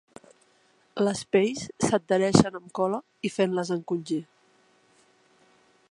Les pells s'adhereixen amb cola i fent-les encongir.